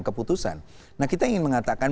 keputusan nah kita ingin mengatakan